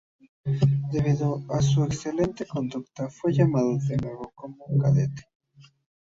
Debido a su excelente conducta, fue llamado de nuevo como cadete.